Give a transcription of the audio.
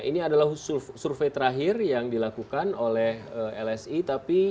ini adalah survei terakhir yang dilakukan oleh lsi